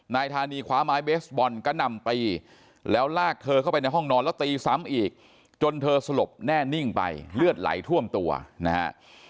นายธานีคว้าไม้เบสบอลก็นำตีแล้วลากเธอเข้าไปในห้องนอนแล้วตีซ้ำอีกจนเธอสลบแน่นิ่งไปเลือดไหลท่วมตัวนะฮะ